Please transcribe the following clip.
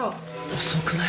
遅くない？